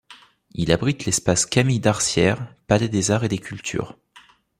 Il abrite l'Espace Camille Darsières, palais des arts et des cultures.